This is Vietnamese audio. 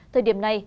thời điểm này